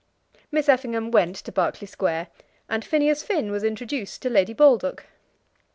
Miss Effingham went to Berkeley Square, and Phineas Finn was introduced to Lady Baldock.